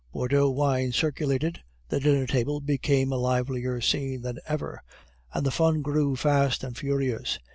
The Bordeaux wine circulated; the dinner table became a livelier scene than ever, and the fun grew fast and furious.